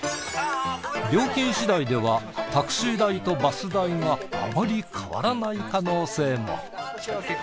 料金しだいではタクシー代とバス代があまり変わらない可能性も。